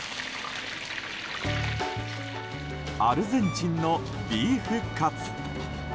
アルゼンチンのビーフカツ。